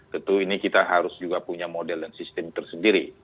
tentu ini kita harus juga punya model dan sistem tersendiri